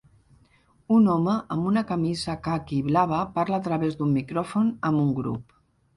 Un home amb una camisa caqui i blava parla a través d'un micròfon amb un grup